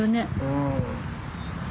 うん。